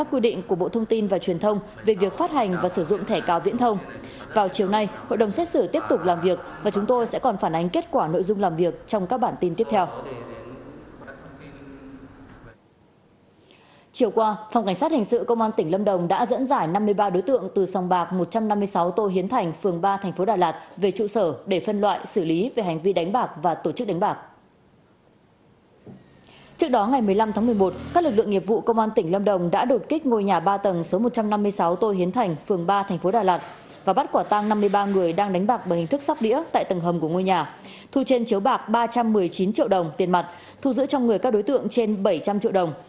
trước đó ngày một mươi năm tháng một mươi một các lực lượng nghiệp vụ công an tỉnh lâm đồng đã đột kích ngôi nhà ba tầng số một trăm năm mươi sáu tô hiến thành phường ba tp đà lạt và bắt quả tang năm mươi ba người đang đánh bạc bằng hình thức sóc đĩa tại tầng hầm của ngôi nhà thu trên chiếu bạc ba trăm một mươi chín triệu đồng tiền mặt thu giữ trong người các đối tượng trên bảy trăm linh triệu đồng